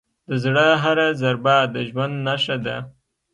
د زړه هره ضربه د ژوند نښه ده.